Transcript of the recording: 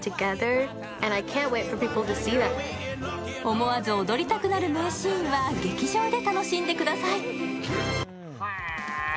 思わず踊りたくなる名シーンは劇場で楽しんでください。